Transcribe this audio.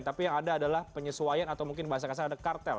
tapi yang ada adalah penyesuaian atau mungkin bahasa kasar ada kartel